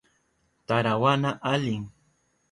Tarawana alim.